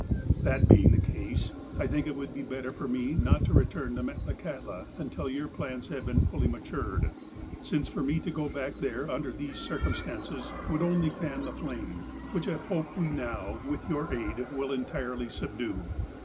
'' That being the case, I think it would be better for me not to return to Metlakahtla until your plans have been fully matured, since for me to go back there under these circumstances would only fan the flame, which I hope we now, with your aid, will entirely subdue.